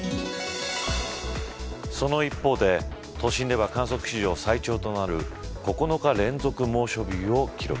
その一方で都心では観測史上最長となる９日連続猛暑日を記録。